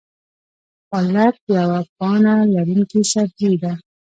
پالک یوه پاڼه لرونکی سبزی ده